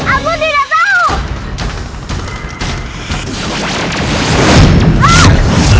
aku tidak tahu